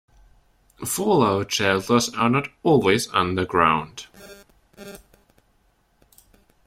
Fallout shelters are not always underground.